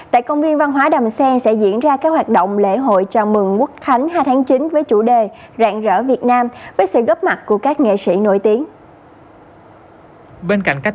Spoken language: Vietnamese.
tại công viên văn hóa đàm xe sẽ diễn ra các hoạt động lễ hội trào mừng quốc khánh